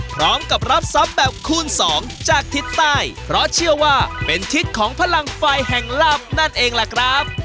พร้อมกับรับทรัพย์แบบคูณสองจากทิศใต้เพราะเชื่อว่าเป็นทิศของพลังไฟแห่งลาบนั่นเองล่ะครับ